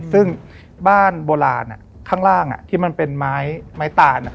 ซึ่งบ้านโบราณข้างล่างที่มันเป็นไม้ตาน